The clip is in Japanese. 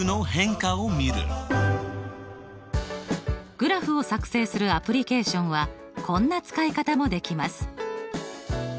グラフを作成するアプリケーションはこんな使い方もできます。